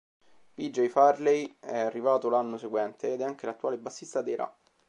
P. J. Farley è arrivato l'anno seguente ed è anche l'attuale bassista dei Ra.